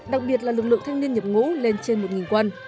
đặc biệt là lực lượng thanh niên nhập ngũ lên trên một quân